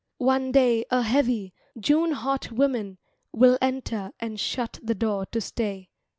One day a heavy, June hot woman Will enter and shut the door to stay.